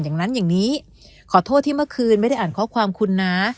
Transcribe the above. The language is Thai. อย่างนั้นอย่างนี้ขอโทษที่เมื่อคืนไม่ได้อ่านข้อความคุณนะ